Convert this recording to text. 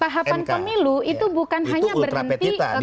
pahapan pemilu itu bukan hanya berhenti ketika misalnya